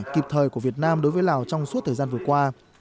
kịp thời của việt nam đối với lào trong suốt thời gian vừa qua